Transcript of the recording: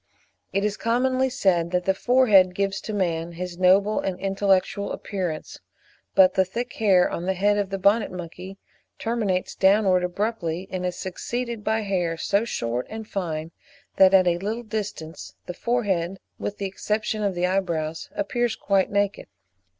It is commonly said that the forehead gives to man his noble and intellectual appearance; but the thick hair on the head of the Bonnet monkey terminates downwards abruptly, and is succeeded by hair so short and fine that at a little distance the forehead, with the exception of the eyebrows, appears quite naked.